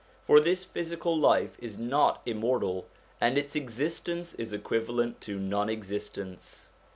For this physical life is not immortal, and its existence is equivalent to non existence.